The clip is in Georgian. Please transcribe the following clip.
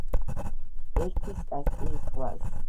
ერთვის კასპიის ზღვას.